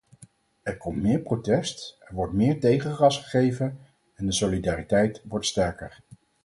Er komt meer protest, er wordt meer tegengas gegeven en de solidariteit wordt sterker.